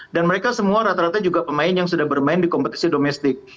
dan mereka semua rata rata juga pemain yang sudah bermain di kompetisi domestik